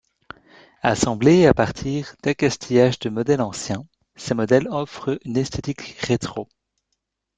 Assemblée à partir d'accastillage de modèles anciens, ces modèles offrent une esthétique rétro.